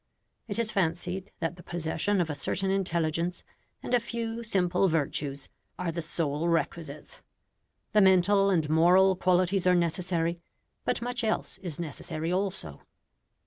It is fancied that the possession of a certain intelligence, and a few simple virtues, are the sole requisites. The mental and moral qualities are necessary, but much else is necessary also.